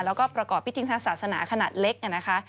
แล้วก็ประกอบพิธีศาสตร์ศาสนาขนาดเล็ก